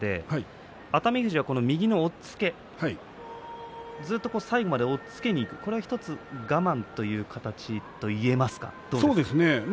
熱海富士、右の押っつけずっと最後まで押っつけにいったこれは１つ我慢という形とそうですね。